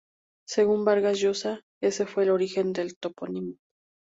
Según Vargas Llosa, ese fue el origen del topónimo.